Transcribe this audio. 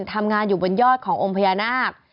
ทำงานอยู่บนยอดขององค์พญานาค